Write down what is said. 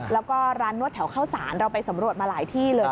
แล้วก็ร้านนวดแถวเข้าสารเราไปสำรวจมาหลายที่เลย